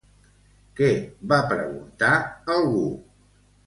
Què va preguntar algú?